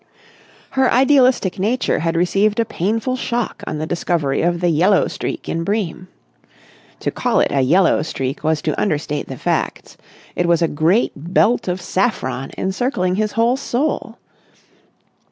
Her idealistic nature had received a painful shock on the discovery of the yellow streak in Bream. To call it a yellow streak was to understate the facts. It was a great belt of saffron encircling his whole soul.